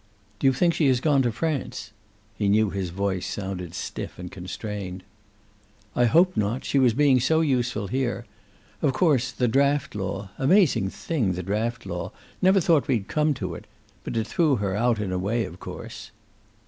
"Do you think she has gone to France?" He knew his voice sounded stiff and constrained. "I hope not. She was being so useful here. Of course, the draft law amazing thing, the draft law! Never thought we'd come to it. But it threw her out, in a way, of course."